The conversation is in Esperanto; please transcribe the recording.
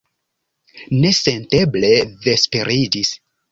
Nesenteble vesperiĝis.